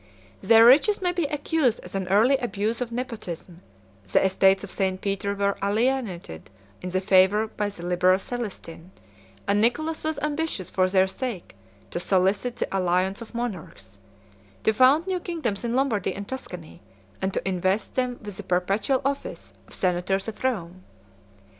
105 Their riches may be accused as an early abuse of nepotism: the estates of St. Peter were alienated in their favor by the liberal Celestin; 106 and Nicholas was ambitious for their sake to solicit the alliance of monarchs; to found new kingdoms in Lombardy and Tuscany; and to invest them with the perpetual office of senators of Rome.